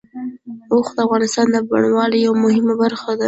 اوښ د افغانستان د بڼوالۍ یوه مهمه برخه ده.